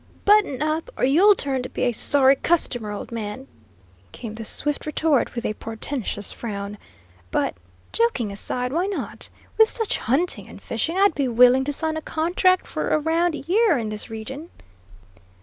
"Button up, or you'll turn to be a Sorry cus tomer, old man," came the swift retort, with a portentous frown. "But, joking aside, why not? With such hunting and fishing, I'd be willing to sign a contract for a round year in this region."